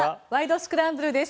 スクランブル」です。